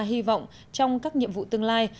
hy vọng trong các nhiệm vụ tương lai